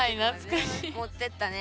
持ってったね。